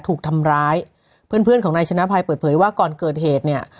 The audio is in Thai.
ถูกทำร้ายเพื่อนของนายชนะไพรเผื่อว่าก่อนเกิดเหตุเนี้ย